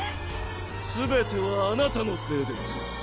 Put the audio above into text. すべてはあなたのせいですよ